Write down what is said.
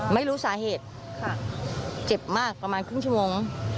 ไม่รู้สาเหตุค่ะเจ็บมากประมาณครึ่งชั่วโมง